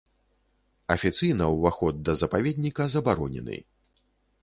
Афіцыйна ўваход да запаведніка забаронены.